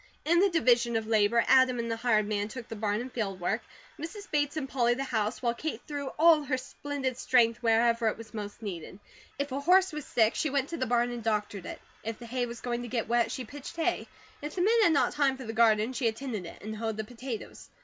In the division of labour, Adam and the hired man took the barn and field work, Mrs. Bates and Polly the house, while Kate threw all her splendid strength wherever it was most needed. If a horse was sick, she went to the barn and doctored it. If the hay was going to get wet, she pitched hay. If the men had not time for the garden she attended it, and hoed the potatoes.